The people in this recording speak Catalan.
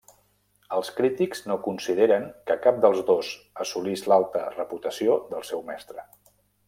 Els crítics no consideren que cap dels dos assolís l'alta reputació del seu mestre.